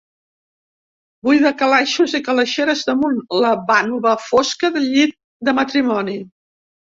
Buida calaixos i calaixeres damunt la vànova fosca del llit de matrimoni.